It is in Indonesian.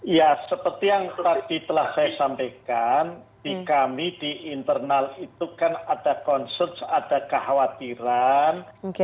ya seperti yang tadi telah saya sampaikan di kami di internal itu kan ada concern ada kekhawatiran